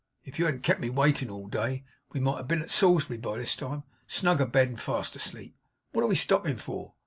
If you hadn't kept me waiting all day, we might have been at Salisbury by this time; snug abed and fast asleep. What are we stopping for?